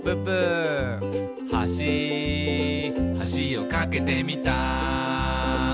「はしはしを架けてみた」